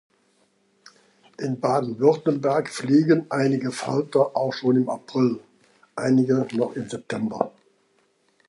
In Baden-Württemberg fliegen einige Falter auch schon im April, einige noch im September.